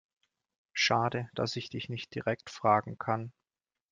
Schade, dass ich dich nicht direkt fragen kann.